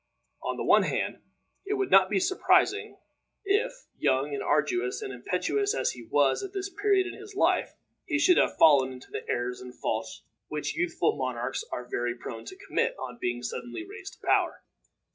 On the one hand, it would not be surprising if, young, and arduous, and impetuous as he was at this period of his life, he should have fallen into the errors and faults which youthful monarchs are very prone to commit on being suddenly raised to power.